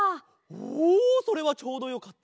おそれはちょうどよかった。